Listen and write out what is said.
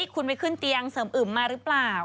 คุณไปขึ้นเตียงเสริมอึมมาหรือเปล่า